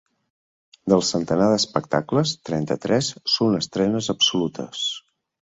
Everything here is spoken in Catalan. Del centenar d’espectacles, trenta-tres són estrenes absolutes.